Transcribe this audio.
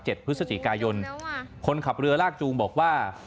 เรือบรรทุกษายจมลงในแม่น้ำเจ้าพิยา